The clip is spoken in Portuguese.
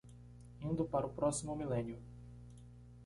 Indo para o próximo milênio